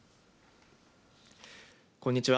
こんにちは。